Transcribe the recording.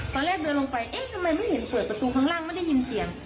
ตอนแรกเดินลงไปเอ๊ะทำไมไม่เห็นเปิดประตูข้างล่างไม่ได้ยินเสียง